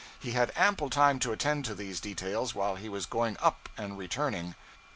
He had ample time to attend to these details while he was going up and returning.